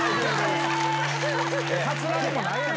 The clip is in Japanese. カツラでもないやん。